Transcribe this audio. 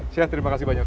chef terima kasih banyak